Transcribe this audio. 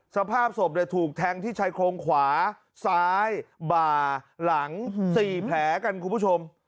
สภาพศพถูกแทงที่ชายโครงขวาซ้ายบ่าหลัง๔แผลกันคุณผู้ชม